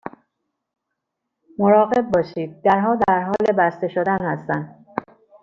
مراقب باشید، درها در حال بسته شدن هستند.